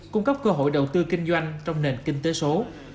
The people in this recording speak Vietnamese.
cung cấp cơ hội đầu tư kinh doanh trong nền kinh tế số